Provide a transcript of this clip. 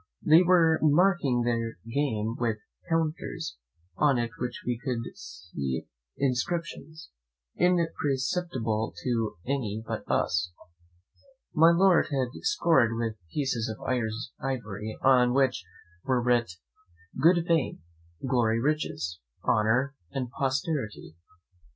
They were marking their game with counters, on which we could see inscriptions, imperceptible to any but us. My Lord had scored with pieces of ivory, on which were writ, "Good Fame, Glory, Riches, Honour, and Posterity!"